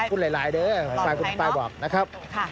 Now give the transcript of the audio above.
ขอบคุณหลายเดี๋ยวไฟบอกนะครับ